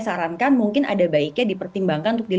jika saya menurut anda tidak ada bicep maka silahkan cari yang ada ini